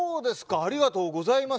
ありがとうございます。